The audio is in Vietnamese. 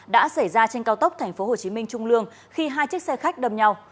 đã xảy ra trên cao tốc tp hcm trung lương khi hai chiếc xe khách đâm nhau